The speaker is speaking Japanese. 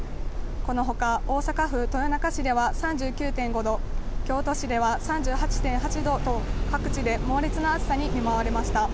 このほか、大阪府豊中市では３９．５度、京都市では３８．８度と、各地で猛烈な暑さに見舞われました。